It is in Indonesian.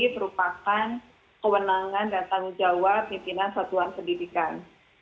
merupakan kewenangan dan tanggung jawab pimpinan satuan pendidikan